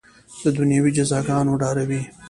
د دنیوي جزاګانو ډاروي.